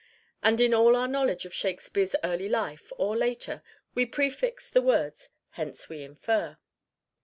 And in all our knowledge of Shakespeare's early life (or later) we prefix the words, "Hence we infer."